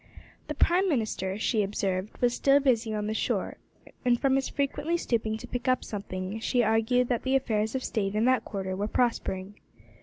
The Prime Minister, she observed, was still busy on the shore, and, from his frequently stooping to pick up something, she argued that the affairs of State in that quarter were prospering.